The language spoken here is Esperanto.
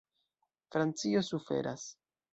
Francio suferas.